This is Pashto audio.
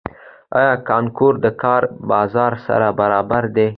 آیا کانکور د کار بازار سره برابر دی؟